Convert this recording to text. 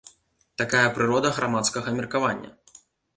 Такая прырода грамадскага меркавання.